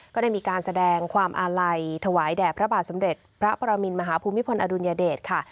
ก็ได้มีการแสดงความอาลัยถวายแด่พระบาทสมเด็จพระปรมินมหาภูมิพลอดุลยเดชค่ะ